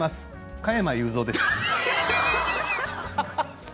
加山雄三です。